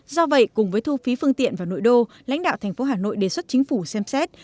do vậy cùng với thu phí phương tiện vào nội đô lãnh đạo thành phố hà nội đề xuất chính phủ xem xét